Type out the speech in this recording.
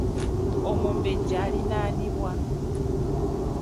Omubejja aliraanibwa.